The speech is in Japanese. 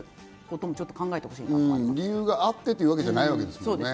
理由があってというわけじゃないですからね。